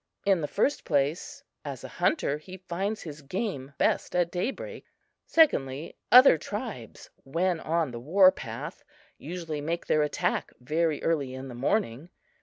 In the first place, as a hunter, he finds his game best at daybreak. Secondly, other tribes, when on the war path, usually make their attack very early in the morning.